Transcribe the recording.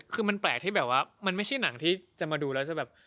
คือมันแปลกที่แบบว่ามันไม่ใช่หนังที่จะมาดูแล้วจะแบบ